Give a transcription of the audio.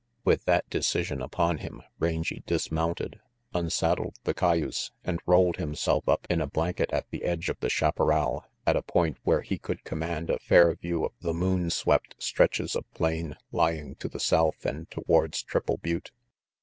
With that decision upon him Rangy dismounted, unsaddled the cayuse, and rolled himself up in a blanket at the edge of the chaparral at a point where he could command a fair view of the moon swept stretches of plain lying to the south and towards Triple Butte.